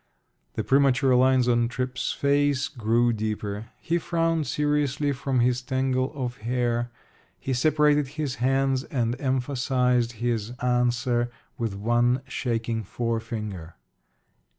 The premature lines on Tripp's face grew deeper. He frowned seriously from his tangle of hair. He separated his hands and emphasized his answer with one shaking forefinger.